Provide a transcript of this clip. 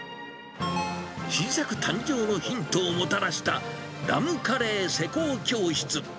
新作誕生のヒントをもたらしたダムカレー施工教室。